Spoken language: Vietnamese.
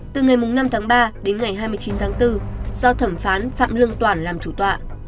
từ ngày năm tháng ba đến ngày hai mươi chín tháng bốn do thẩm phán phạm lương toản làm chủ tọa